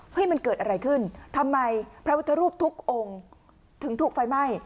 มันเกิดอะไรขึ้นทำไมพระพุทธรูปทุกองค์ถึงถูกไฟไหม้